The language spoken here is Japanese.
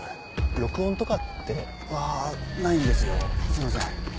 録音とかって？はないんですよすいません。